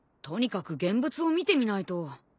とにかく現物を見てみないと。